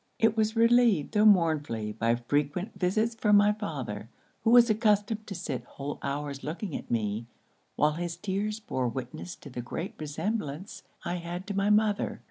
It was relieved, tho' mournfully, by frequent visits from my father; who was accustomed to sit whole hours looking at me, while his tears bore witness to the great resemblance I had to my mother.